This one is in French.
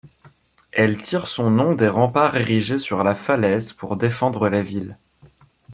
Elle tire son nom des remparts érigés sur la falaise pour défendre la ville.